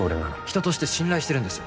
人として信頼してるんです